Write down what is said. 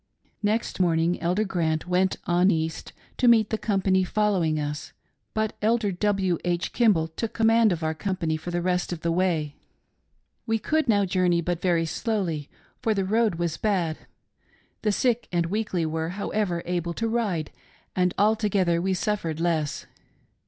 Next morning Elder Grant went on east to meet the company following us, but Elder W. H. Kimball took command of our company for the rest of the way. "We could now journey but very slowly, for the road was bad, the sick and weakly were, however, able to ride, and altogether we suffered less.